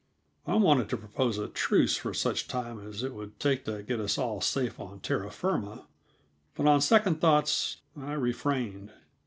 I wanted to propose a truce for such time as it would take to get us all safe on terra firma, but on second thoughts I refrained.